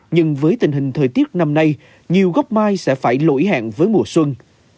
nhưng với tình hình thời tiết năm nay nhiều gốc mai sẽ phải lỗi hẹn với mùa xuân